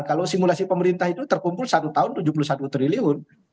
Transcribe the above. kalau simulasi pemerintah itu terkumpul satu tahun tujuh puluh satu triliun